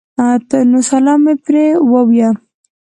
نو سلام مو پرې ووې